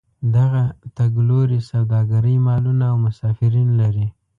دغه تګ لوري سوداګرۍ مالونه او مسافرین لري.